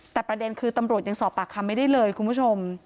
แต่ประเด็นคือตำรวจยังสอบปากคำไม่ได้เลยคุณผู้ชม